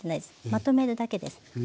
まとめるだけです。